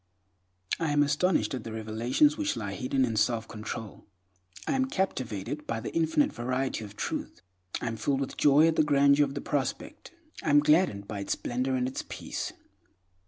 I am astonished at the revelations which lie hidden in self control; I am captivated by the infinite variety of Truth, I am filled with joy at the grandeur of the prospect; I am gladdened by its splendor and its peace.